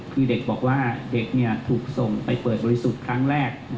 คือเด็กบอกว่าเด็กถูกส่งไปเปิดบริสุทธิ์ครั้งแรก